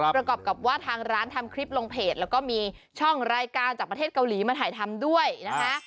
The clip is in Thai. ประกอบกับว่าทางร้านทำคลิปลงเพจแล้วก็มีช่องรายการจากประเทศเกาหลีมาถ่ายทำด้วยนะคะ